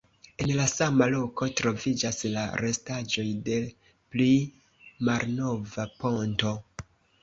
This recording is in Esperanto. En la sama loko troviĝas la restaĵoj de pli malnova ponto.